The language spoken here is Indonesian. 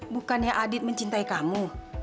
bukannya adit mencintai kamu